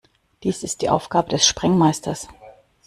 Dies ist die Aufgabe des Sprengmeisters.